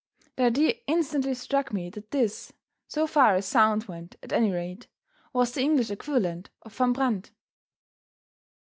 The idea instantly struck me that this (so far as sound went, at any rate) was the English equivalent of Van Brandt.